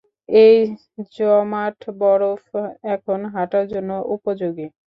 এই জমাট বরফ এখন হাঁটার জন্য উপযোগী!